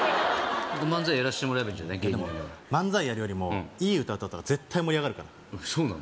漫才やらしてもらえばいい芸人なんだから漫才やるよりもいい歌歌ったほうが絶対盛り上がるからそうなの？